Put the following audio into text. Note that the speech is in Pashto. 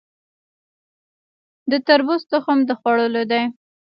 د تربوز تخم د خوړلو دی؟